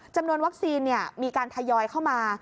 จำนวนวัคซีนมีการทยอยเข้ามา